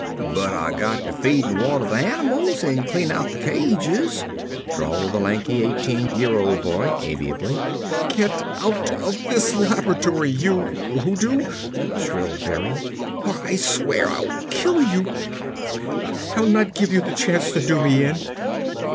"But Ah got to feed an' water the animals an' clean out the cages," drawled the lanky, eighteen year old boy amiably. "Get out of this laboratory, you hoodoo," shrilled Berry, "or I swear I'll kill you! I'll not give you the chance to do me in!"